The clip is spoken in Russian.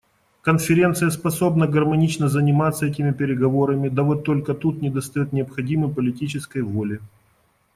Конференция способна гармонично заниматься этими переговорами, да вот только тут недостает необходимой политической воли.